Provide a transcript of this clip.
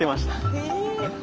へえ。